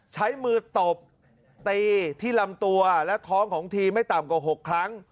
ใช้มือตบตีที่ลำตัวและท้องของทีมไม่ต่ำกว่า๖ครั้ง